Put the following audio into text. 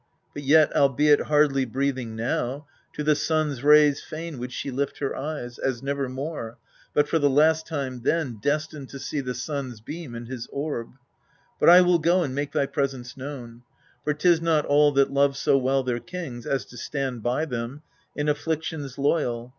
But yet, albeit hardly breathing now, To the sun's rays fain would she lift her eyes, As never more, but for the last time then Destined to see the sun's beam and his orb. But I will go and make thy presence known : For 'tis not all that love so well their kings As to stand by them, in afflictions loyal.